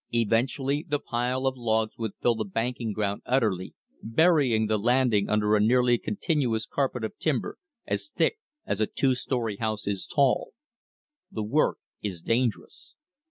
Eventually the pile of logs would fill the banking ground utterly, burying the landing under a nearly continuous carpet of timber as thick as a two story house is tall. The work is dangerous.